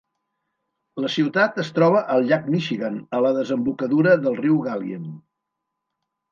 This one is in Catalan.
La ciutat es troba al llac Michigan, a la desembocadura del riu Galien.